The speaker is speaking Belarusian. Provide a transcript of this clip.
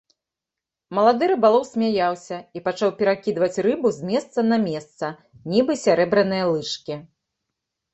Малады рыбалоў смяяўся і пачаў перакідваць рыбу з месца на месца, нібы сярэбраныя лыжкі.